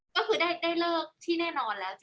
ก็คือได้เลิกที่แน่นอนแล้ว